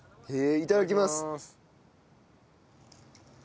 いただきます。